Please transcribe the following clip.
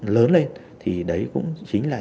lớn lên thì đấy cũng chính là